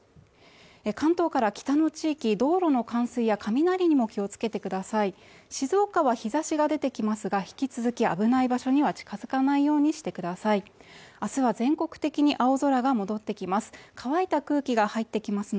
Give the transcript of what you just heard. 関東から北の地域道路の冠水や雷にも気をつけてください静岡は日差しが出てきますが引き続き危ない場所には近づかないようにしてください明日は全国的に青空が戻ってきます